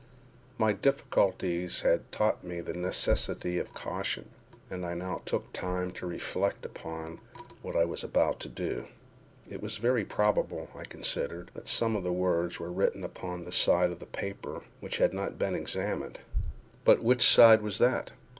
My difficulties had taught me the necessity of caution, and I now took time to reflect upon what I was about to do. It was very probable, I considered, that some words were written upon that side of the paper which had not been examined—but which side was that?